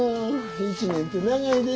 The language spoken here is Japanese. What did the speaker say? １年て長いで。